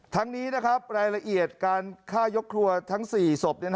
ทั้งนี้รายละเอียดการฆ่ายกครัวทั้ง๔ศพ